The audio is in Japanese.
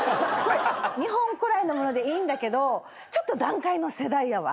日本古来のものでいいんだけどちょっと団塊の世代やわ。